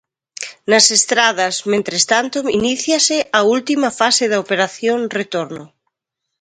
Nas estradas mentres tanto iníciase a última fase da operación retorno.